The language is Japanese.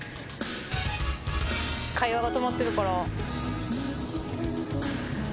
会話が止まってるから。